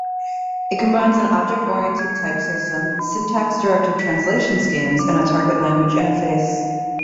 It combines an object-oriented type system, syntax-directed translation schemes and a target-language interface.